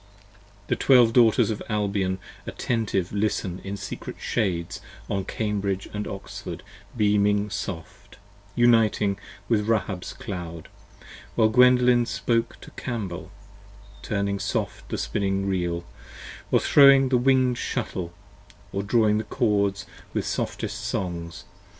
10 The Twelve Daughters of Albion attentive listen in secret shades On Cambridge and Oxford beaming soft, uniting with Rahab's cloud, While Gwendolen spoke to Cambel, turning soft the spinning reel: Or throwing the wing'd shuttle: or drawing the cords with softest songs.